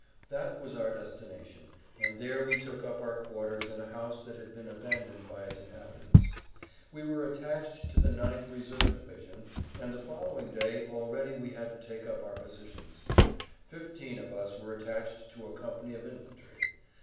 That was our destination, and there we took up our quarters in a house that had been abandoned by its inhabitants.[Pg 144] We were attached to the ninth reserve division, and the following day already we had to take up our positions. Fifteen of us were attached to a company of infantry.